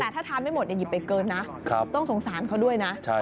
แต่ถ้าทานไม่หมดอย่าหยิบไปเกินนะต้องสงสารเขาด้วยนะ